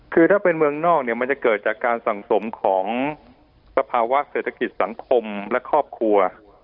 คือถ้าเป็นเมืองนอกเนี่ยมันจะเกิดจากการสังสมของสภาวะเศรษฐกิจสังคมและครอบครัว